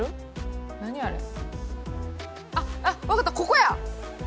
あっ分かったここや！